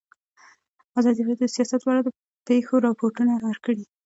ازادي راډیو د سیاست په اړه د پېښو رپوټونه ورکړي.